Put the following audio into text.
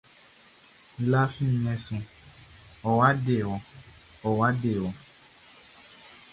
Lafi mien su, ɔwa dewɔ, ɔwa dewɔ!